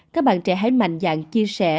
các bạn trẻ hãy mạnh dạng chia sẻ